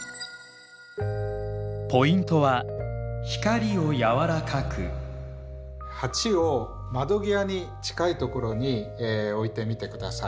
ポイントは鉢を窓際に近い所に置いてみてください。